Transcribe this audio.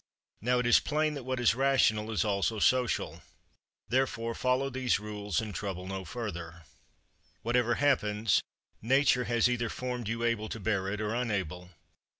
Now it is plain that what is rational is also social. Therefore follow these rules and trouble no further. 3. Whatever happens, Nature has either formed you able to bear it or unable.